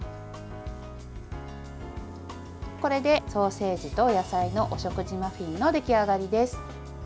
これでソーセージと野菜のお食事マフィンの出来上がりです。